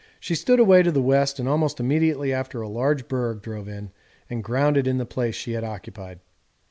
She stood away to the west, and almost immediately after a large berg drove in and grounded in the place she had occupied.